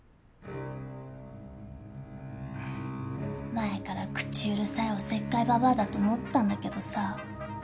前から口うるさいおせっかいババアだと思ってたんだけどさ。